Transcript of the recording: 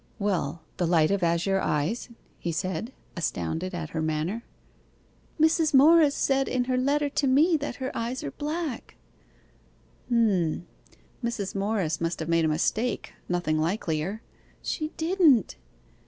'Well, "the light of azure eyes"?' he said, astounded at her manner. 'Mrs. Morris said in her letter to me that her eyes are black!' 'H'm. Mrs. Morris must have made a mistake nothing likelier.' 'She didn't.